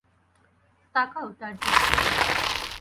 তাকাও তার দিকে।